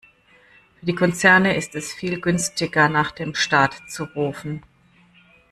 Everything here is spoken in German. Für die Konzerne ist es viel günstiger, nach dem Staat zu rufen.